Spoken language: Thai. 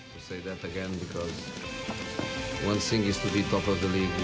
พูดแบบนั้นเพราะว่าสิ่งที่ต้องเป็นที่สุดของลีก